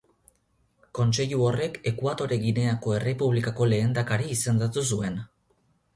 Kontseilu horrek Ekuatore Gineako errepublikako lehendakari izendatu zuen.